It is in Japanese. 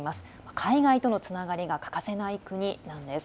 海外とのつながりが欠かせない国なんです。